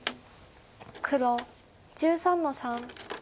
黒１３の三。